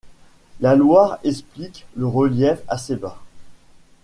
La Loire explique le relief assez bas.